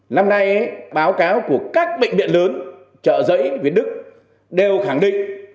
năm nay báo cáo của các bệnh viện lớn chợ giấy huyện đức đều khẳng định